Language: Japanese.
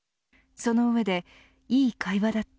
その上で、いい会話だった。